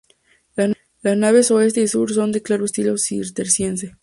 Las naves oeste y sur son de claro estilo cisterciense.